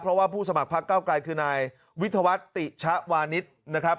เพราะว่าผู้สมัครพักเก้าไกลคือนายวิทยาวัฒน์ติชะวานิสนะครับ